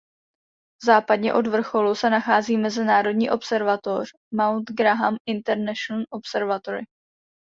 Západně od vrcholu se nachází mezinárodní observatoř Mount Graham International Observatory.